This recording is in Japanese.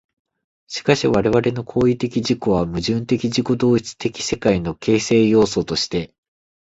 しかし我々の行為的自己は、矛盾的自己同一的世界の形成要素として、